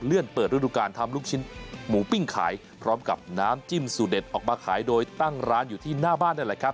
เปิดฤดูการทำลูกชิ้นหมูปิ้งขายพร้อมกับน้ำจิ้มสูตรเด็ดออกมาขายโดยตั้งร้านอยู่ที่หน้าบ้านนั่นแหละครับ